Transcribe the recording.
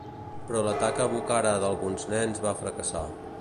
Però l'atac a Bukhara d'alguns nens va fracassar.